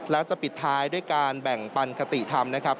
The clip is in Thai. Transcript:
และจะปิดท้ายด้วยการแบ่งปันคติธรรมนะครับ